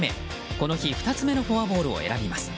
この日、２つ目のフォアボールを選びます。